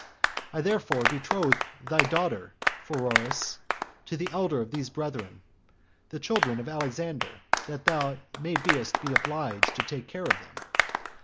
I therefore betroth thy daughter, Pheroras, to the elder of these brethren, the children of Alexander, that thou mayst be obliged to take care of them.